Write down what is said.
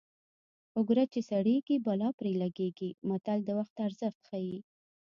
اوګره چې سړېږي بلا پرې لګېږي متل د وخت ارزښت ښيي